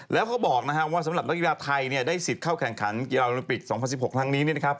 แล้วเขาบอกว่าสำหรับนักกีฬาไทยได้สิทธิ์เข้าแข่งขันกีฬาโอลิมปิก๒๐๑๖ครั้งนี้นะครับ